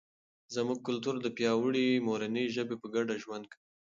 زموږ کلتور د پیاوړي مورنۍ ژبې په ګډه ژوند کوي.